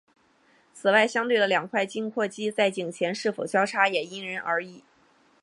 此外相对的两块颈阔肌在颈前是否交叉也因人而异。